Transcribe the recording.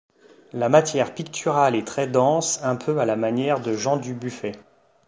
La matière picturale est très dense un peu à la manière de Jean Dubuffet.